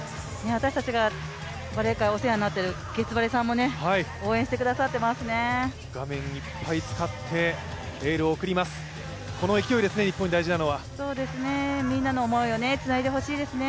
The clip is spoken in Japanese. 私たちがバレー界、お世話になっている月バレさんも、応援してくださってますよね。